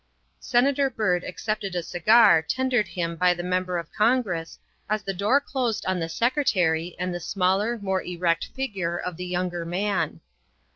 Senator Byrd accepted a cigar tendered him by the Member of Congress as the door closed on the Secretary and the smaller, more erect figure of the younger man.